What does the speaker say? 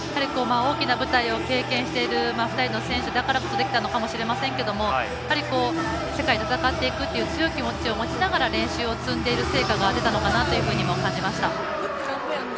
大きな舞台を経験している２人の選手だからこそできたのかもしれませんけど世界で戦っていくという強い気持ちを持ちながら練習を積んでいる成果が出たのかなというふうに感じました。